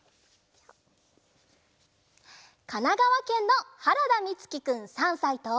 かながわけんのはらだみつきくん３さいと。